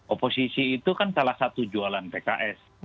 oposisi itu kan salah satu jualan pks